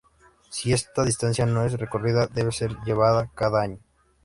Si esta distancia no es recorrida debe ser llevada cada año.